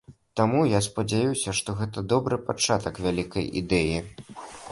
Таму я спадзяюся, што гэта добры пачатак вялікай ідэі.